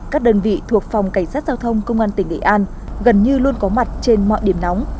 các đơn vị thuộc phòng cảnh sát giao thông công an tỉnh nghệ an gần như luôn có mặt trên mọi điểm nóng